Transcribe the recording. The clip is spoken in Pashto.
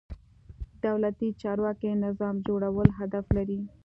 دولتي چارواکي نظام جوړول هدف لري.